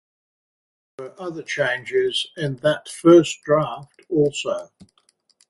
There were other changes in that first draft also.